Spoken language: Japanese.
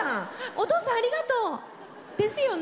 おとうさんありがとう。ですよね。